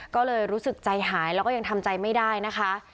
ก็เลยรู้สึกใจหายแล้วก็ยังทำใจไม่ได้นะคะ